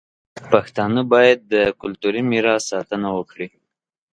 پښتانه باید د کلتوري میراث ساتنه وکړي.